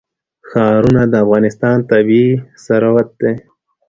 ښارونه د افغانستان طبعي ثروت دی.